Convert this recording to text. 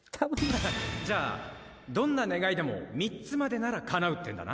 じゃあどんな願いでも３つまでなら叶うってんだな？